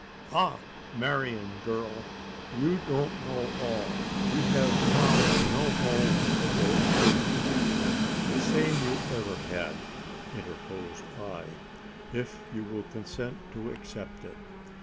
"Ah, Marian, gurl, you don't know all we hev now no home to go to!" "The same you ever had," interposed I, "if you will consent to accept it.